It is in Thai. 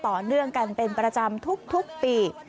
ต่อเนื่องกันเป็นประจำทุกปี